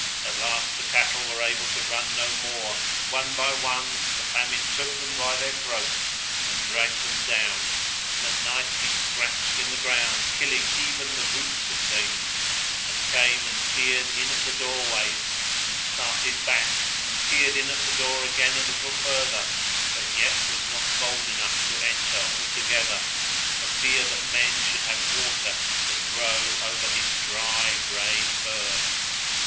At last the cattle were able to run no more, and one by one the Famine took them by their throats and dragged them down, and at night he scratched in the ground, killing even the roots of things, and came and peered in at the doorways and started back and peered in at the door again a little further, but yet was not bold enough to enter altogether, for fear that men should have water to throw over his dry grey fur.